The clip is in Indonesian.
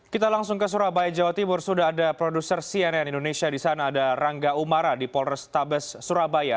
kita langsung ke surabaya jawa timur sudah ada produser cnn indonesia di sana ada rangga umara di polrestabes surabaya